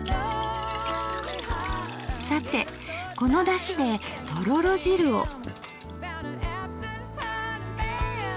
さてこのだしでとろろ汁を。